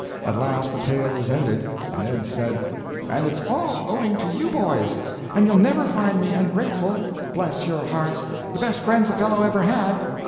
At last the tale was ended, and Ed said "And it's all owing to you, boys, and you'll never find me ungrateful bless your hearts, the best friends a fellow ever had!